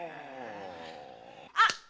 あっ！